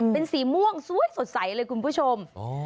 เป็นสีม่วงสวยสดใสเลยคุณผู้ชม